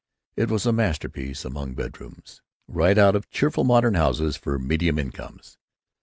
It was a masterpiece among bedrooms, right out of Cheerful Modern Houses for Medium Incomes.